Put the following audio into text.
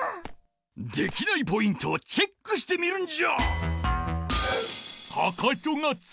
できないポイントをチェックしてみるんじゃ！